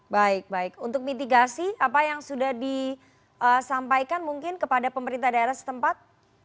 baik baik untuk mitigasi apa yang sudah disampaikan mungkin kepada pemerintah daerah setempat